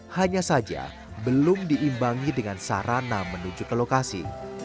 hanya saja belum diimbangi dengan sarana menuju ke lokasi